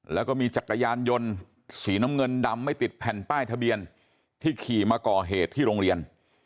แล้วก็มีจักรยานยนต์สีน้ำเงินดำไม่ติดแผ่นป้ายทะเบียนที่ขี่มาก่อเหตุที่โรงเรียน